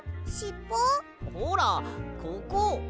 ほらここ！